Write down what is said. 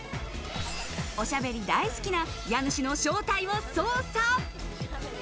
おしゃべり大好きな家主の正体を捜査。